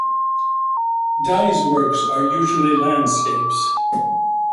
Dai's works are usually landscapes.